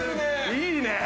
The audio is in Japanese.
いいねぇ！